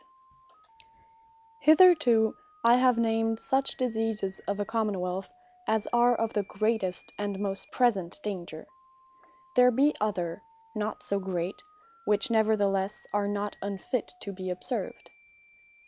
Want Of Mony Hitherto I have named such Diseases of a Common wealth, as are of the greatest, and most present danger. There be other, not so great; which neverthelesse are not unfit to be observed.